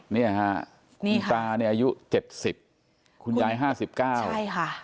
เนี้ยฮะคุณตาเนี้ยอายุเจ็บสิบคุณยายห้าสิบเก้าใช่ค่ะ